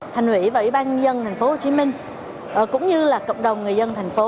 thành ủy và ủy ban nhân thành phố hồ chí minh cũng như là cộng đồng người dân thành phố